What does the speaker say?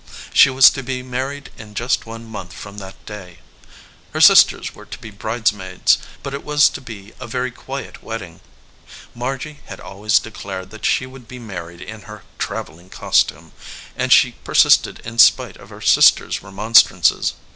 She was to be married in just one month from that day. Her sisters were to be bridesmaids, but it was to be a very quiet wedding. Margy had always de clared that she would be married in her traveling costume, and she persisted in spite of her sisters remonstrances.